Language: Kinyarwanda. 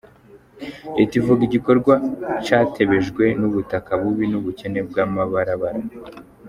Leta ivuga igikorwa catebejwe n'ubutaka bubi n'ubukene bw'amabarabara.